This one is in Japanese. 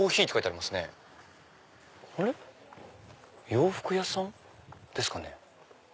洋服屋さんですかね？